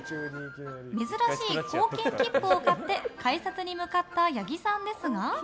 珍しい切符を買って改札に向かった八木さんですが。